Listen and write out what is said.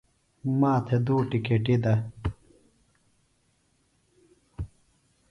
ما تھےۡ دُو ٹکیٹِیۡ دہ ـ